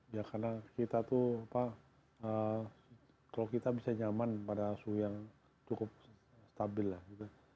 ya karena kita tuh apa kalau kita bisa nyaman pada suhu yang cukup stabil lah gitu